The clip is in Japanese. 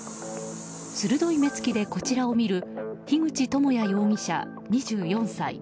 鋭い目つきでこちらを見る樋口智也容疑者、２４歳。